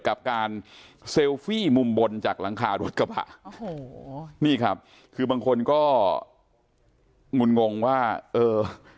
กับการเซลฟี่มุมบนจากหลังคารถกระบะโอ้โหนี่ครับคือบางคนก็งุ่นงงว่าเออ